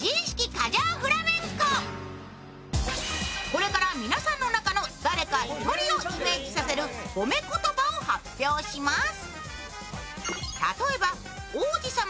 これから皆さんの中の誰か１人をイメージさせる褒め言葉を発表します。